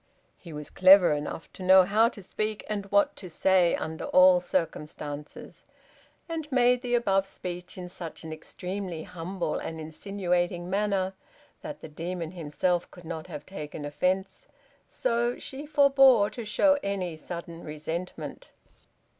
He was clever enough to know how to speak, and what to say, under all circumstances, and made the above speech in such an extremely humble and insinuating manner that the demon himself could not have taken offence, so she forbore to show any sudden resentment.